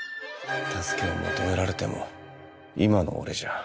助けを求められても今の俺じゃ。